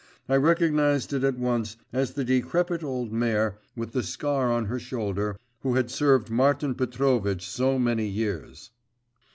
I recognised it at once as the decrepit old mare, with the scar on her shoulder, who had served Martin Petrovitch so many years.